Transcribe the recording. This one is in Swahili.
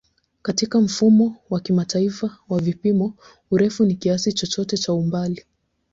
Katika Mfumo wa Kimataifa wa Vipimo, urefu ni kiasi chochote cha umbali.